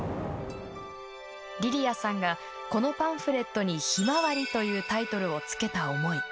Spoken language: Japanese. リリアさんがこのパンフレットに「ひまわり」というタイトルをつけた思い。